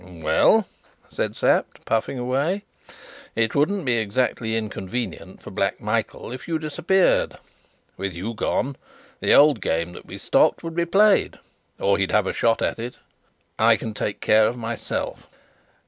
"Well," said Sapt, puffing away, "it wouldn't be exactly inconvenient for Black Michael if you disappeared. With you gone, the old game that we stopped would be played or he'd have a shot at it." "I can take care of myself."